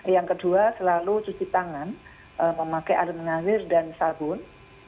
yang kedua selalu cuci tangan memakai air mengalir dan sabun